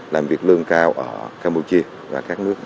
làm việc lương cao ở campuchia